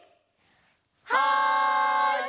はい！